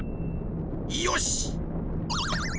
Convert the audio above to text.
よし！